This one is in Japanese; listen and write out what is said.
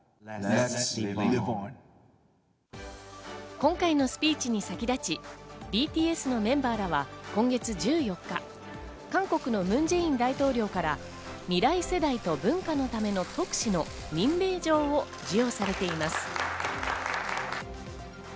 今回のスピーチに先立ち、ＢＴＳのメンバーらは、今月１４日、韓国のムン・ジェイン大統領から未来世代と文化のための特使の任命状を授与されています。